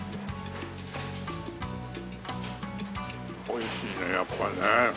美味しいねやっぱりね。